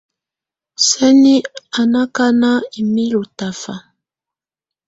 Sǝ́ni á nɔ́ ákána imilǝ́ ú tafa.